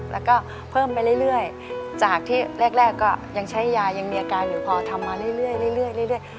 แล้วก็เพิ่มไปเรื่อยเรื่อยจากที่แรกแรกก็ยังใช้ยายังมีอาการหรือพอทำมาเรื่อยเรื่อยเรื่อยเรื่อย